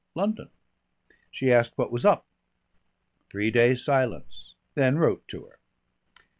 London. She asked what was up. Three days' silence. Then wrote to her."